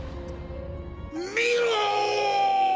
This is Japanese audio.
見ろ！